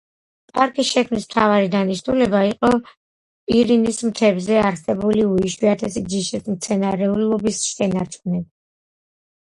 პარკის შექმნის მთავარი დანიშნულება იყო, პირინის მთებზე არსებული უიშვიათესი ჯიშის მცენარეულობის შენარჩუნება.